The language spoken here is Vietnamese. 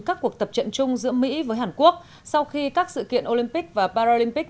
các cuộc tập trận chung giữa mỹ với hàn quốc sau khi các sự kiện olympic và paralympic